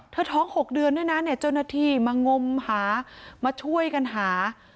เธอท้อง๖เดือนด้วยนะจนนาทีมางมหามาช่วยกันหา